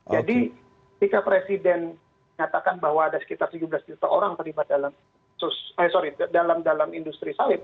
jadi ketika presiden nyatakan bahwa ada sekitar tujuh belas juta orang terlibat dalam industri sawit